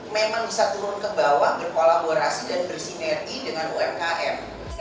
memang bisa turun ke bawah berkolaborasi dan bersinergi dengan umkm